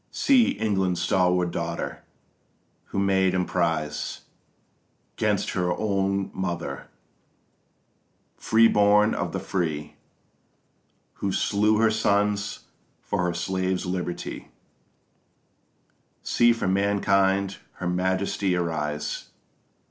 _ See England's stalwart daughter, who made emprise 'Gainst her own mother, freeborn of the free, Who slew her sons for her slaves' liberty, See for mankind her majesty arise!